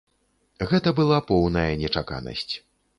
Гэта была поўная нечаканасць.